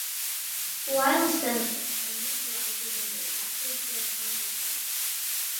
Wild "Xenopus" are much larger than their captive bred counterparts.